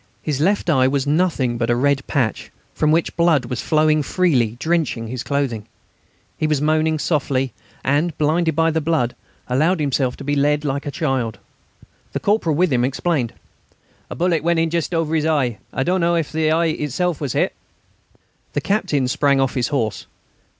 His left eye was nothing but a red patch, from which blood was flowing freely, drenching his clothing. He was moaning softly and, blinded by the blood, allowed himself to be led like a child. The corporal with him explained: "A bullet went in just over his eye. I don't know if the eye itself was hit." The Captain sprang off his horse.